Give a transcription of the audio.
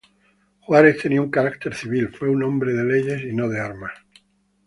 Juárez tenía un carácter civil, fue un hombre de leyes y no de armas.